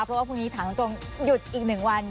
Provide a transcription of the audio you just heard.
เพราะว่าพรุ่งนี้ถามตรงหยุดอีก๑วัน